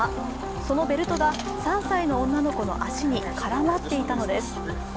そのベルトが３歳の女の子の足に絡まっていたのです。